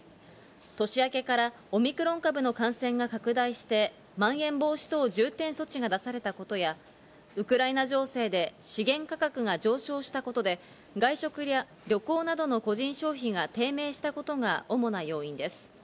年明けからオミクロン株の感染が拡大して、まん延防止等重点措置が出されたことや、ウクライナ情勢で資源価格が上昇したことで、外食や旅行などの個人消費が低迷したことが主な要因です。